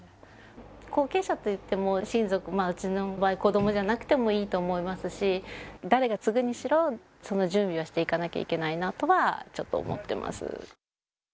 後継者といっても親族、うちの場合、子どもじゃなくてもいいと思いますし、誰が継ぐにしろ、その準備はしていかなきゃいけないなとは、ちょっと思ってます。